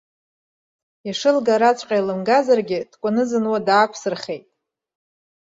Ишылгараҵәҟьа илымгазаргьы, дкәанызануа даақәсырхеит.